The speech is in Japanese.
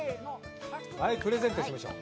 プレゼントしましょう。